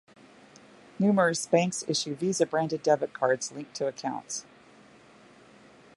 Numerous banks issue Visa-branded debit cards linked to accounts.